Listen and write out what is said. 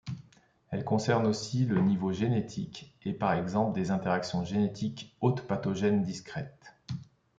Elles concernent aussi le niveau génétique, avec par exemple des interactions génétiques hôte-pathogène discrètes.